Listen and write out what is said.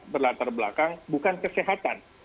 berlatar belakang bukan kesehatan